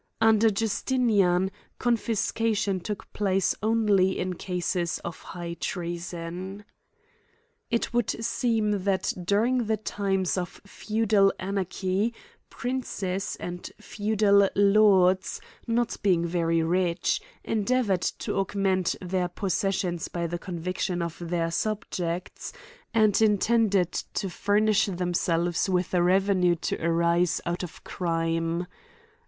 Under Justinian, confis. cation took place only in cases of high treason. It would seem that during the times of feudal anarchy, princes, and feudal lords, not being very rich, endeavored to augment their possessions by the conviction of their subjects, and intended to fur nish themselves with a revenue to arise olit of crime.